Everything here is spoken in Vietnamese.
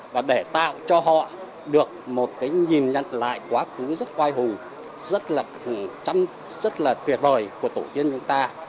và để tạo cho họ được một cái nhìn nhận lại quá khứ rất oi hùng rất là tuyệt vời của tổ dân chúng ta